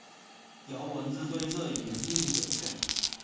由文字推测语言并不准确。